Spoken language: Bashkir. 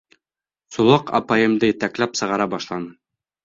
Сулаҡ апайымды етәкләп сығара башланы.